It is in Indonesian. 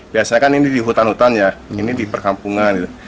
biasanya kan ini di hutan hutan ya ini di perkampungan